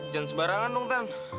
jangan sebarangan dong tan